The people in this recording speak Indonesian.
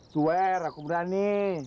suar aku berani